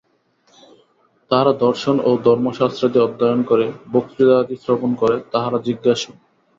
তাহারা দর্শন ও ধর্মশাস্ত্রাদি অধ্যয়ন করে, বক্তৃতাদি শ্রবণ করে, তাহারা জিজ্ঞাসু।